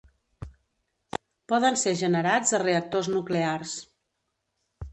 Poden ser generats a reactors nuclears.